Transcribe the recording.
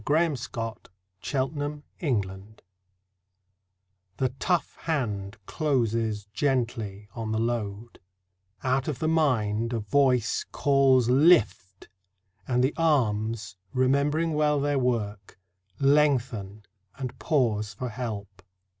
62 MAN CARRYING BALE r I ^HE tough hand closes gently on the load ; X Out of the mind, a voice Calls " Lift !" and the arms, remembering well their work, Lengthen and pause for help.